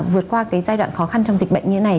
vượt qua cái giai đoạn khó khăn trong dịch bệnh như thế này